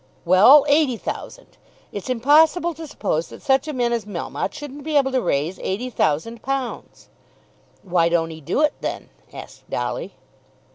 "Well, eighty thousand. It's impossible to suppose that such a man as Melmotte shouldn't be able to raise eighty thousand pounds." "Why don't he do it then?" asked Dolly.